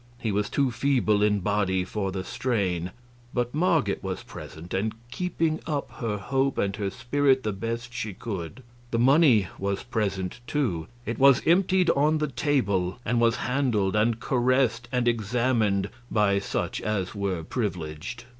He was too feeble in body for the strain. But Marget was present, and keeping up her hope and her spirit the best she could. The money was present, too. It was emptied on the table, and was handled and caressed and examined by such as were privileged.